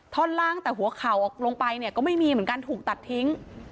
ท่อนล่างแต่หัวเข่าออกลงไปเนี่ยก็ไม่มีเหมือนกันถูกตัดทิ้ง